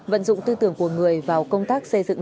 vận dụng tư tưởng của người vào công tác xây dựng